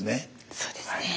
そうですね。